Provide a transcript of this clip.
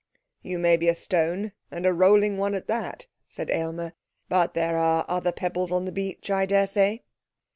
'You may be a stone, and a rolling one at that, said Aylmer, 'but there are other pebbles on the beach, I daresay.'